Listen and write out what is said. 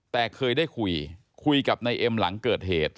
แต่เคยได้คุยคุยกับนายเอ็มหลังเกิดเหตุ